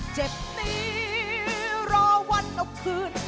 เจ็บตีรอวันเอาคืน